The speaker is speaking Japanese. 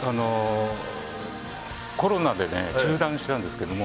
コロナで中断したんですけど。